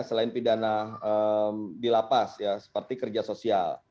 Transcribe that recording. selain pidana di lapas ya seperti kerja sosial